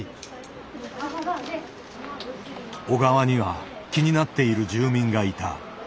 小川には気になっている住民がいた。